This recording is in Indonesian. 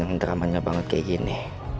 yang dramanya banget kayak gini